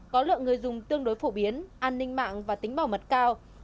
có lượng người dùng tương đối phổ biến an ninh mạng và tính bảo mật cao